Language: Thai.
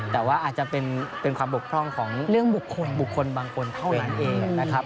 แต่ว่าอาจจะเป็นความบกพร่องของเรื่องบุคคลบุคคลบางคนเท่านั้นเองนะครับ